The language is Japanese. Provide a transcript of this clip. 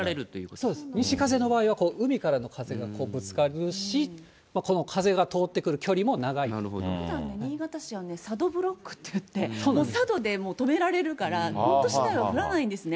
そうです、西風の場合は海からの風がこうぶつかるし、ふだん新潟市は、佐渡ブロックといって、佐渡で止められるから、本当、市内は降らないんですね、